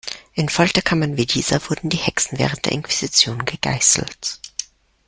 In Folterkammern wie dieser wurden die Hexen während der Inquisition gegeißelt.